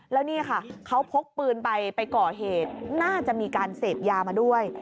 แล้วนี่ค่ะเขาพกปืนไปไปก่อเหตุน่าจะมีการเสพยามาด้วย